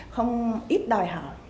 không ít đòi hỏi